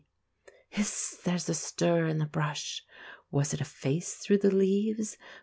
Hist! there's a stir in the brush. Was it a face through the leaves?